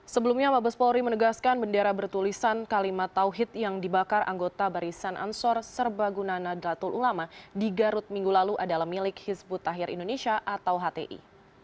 sebelumnya mabes polri menegaskan bendera bertulisan kalimat tawhid yang dibakar anggota barisan ansor serbaguna dlatul ulama di garut minggu lalu adalah milik hizbut tahir indonesia atau hti